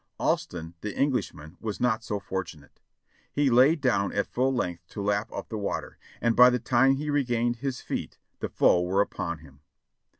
Alston, the Englishman, was not so for tunate; he lay down at full length to lap up the water, and by the time he regained his feet the foe were upon him.